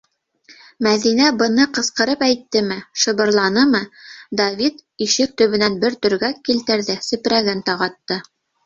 - Мәҙинә быны ҡысҡырып әйттеме, шыбырланымы - Давид ишек төбөнән бер төргәк килтерҙе, сепрәген тағатты.